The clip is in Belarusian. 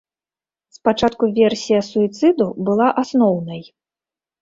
Спачатку версія суіцыду была асноўнай.